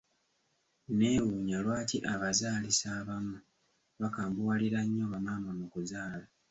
Neewuunya lwaki abazaalisa abamu bakambuwalira nnyo ba maama mu kuzaala.